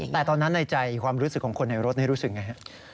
แต่ตอนนั้นในใจความรู้สึกของคนในรถนี่รู้สึกไงฮะ